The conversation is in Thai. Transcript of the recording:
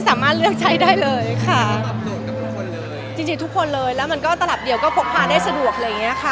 สามารถเลือกใช้ได้เลยค่ะจริงทุกคนเลยแล้วมันก็ตลับเดียวก็พกพากย์ได้สะดวก